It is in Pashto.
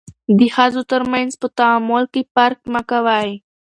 د ښځو ترمنځ په تعامل کې فرق مه کوئ.